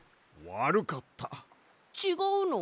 ちがうの？